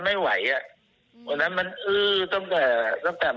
เดี๋ยวค่อยมีกำลังเดี๋ยวค่อยเดินมาใหม่